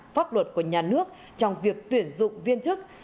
pháp luật của nhà nước trong việc tuyển dụng viên chức